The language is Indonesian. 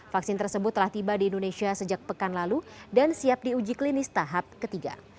vaksin tersebut telah tiba di indonesia sejak pekan lalu dan siap diuji klinis tahap ketiga